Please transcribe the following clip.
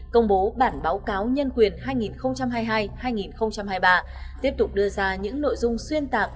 công bố bản báo cáo nhân quyền hai nghìn hai mươi hai hai nghìn hai mươi ba tiếp tục đưa ra những nội dung xuyên tạc